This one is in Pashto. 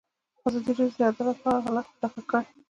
ازادي راډیو د عدالت حالت په ډاګه کړی.